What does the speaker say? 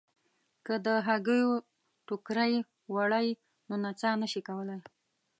که د هګیو ټوکرۍ وړئ نو نڅا نه شئ کولای.